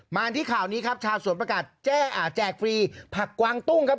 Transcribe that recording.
มาที่ข่าวนี้ครับชาวสวนประกาศแจ้อ่าแจกฟรีผักกวางตุ้งครับ